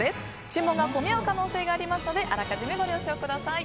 注文が込み合う可能性がありますのであらかじめご了承ください。